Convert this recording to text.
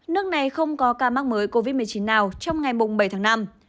nước này không có ca mắc mới covid một mươi chín nào trong ngày bảy tháng năm